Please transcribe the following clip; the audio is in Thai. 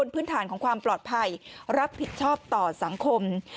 พื้นฐานของความปลอดภัยรับผิดชอบต่อสังคม